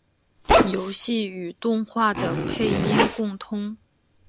游戏与动画的配音共通。